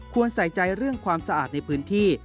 ใส่ใจเรื่องความสะอาดในพื้นที่